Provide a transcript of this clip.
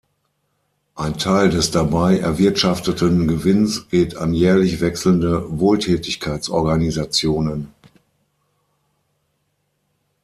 Ein Teil des dabei erwirtschafteten Gewinns geht an jährlich wechselnde Wohltätigkeitsorganisationen.